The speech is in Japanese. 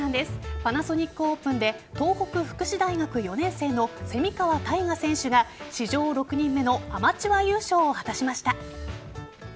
パナソニックオープンで東北福祉大学４年生の蝉川泰果選手が史上６人目のアマチュア優勝を果たしました。